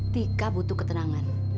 tika butuh ketenangan